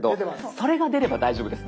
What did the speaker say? それが出れば大丈夫です。